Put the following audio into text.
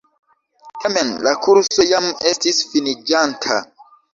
Tamen la kurso jam estis finiĝanta.